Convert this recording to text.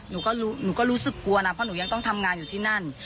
หนูก็รู้สึกกลัวนะเพราะหนูยังต้องทำงานอยู่ที่นั่น